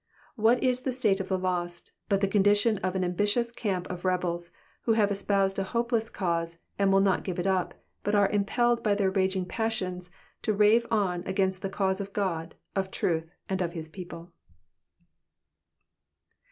What is the state of the lost, but the condition of an ambitious camp of rebels, who have espoused a hope less cause, and will not give it up, but are impelled by their raging passions to rave on against the cause of God, of truth, and of his people.